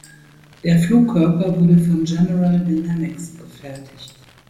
Der Flugkörper wurde von General Dynamics gefertigt.